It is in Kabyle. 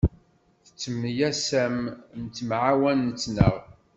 Nettemyasam, nettemɛawan, nettnaɣ.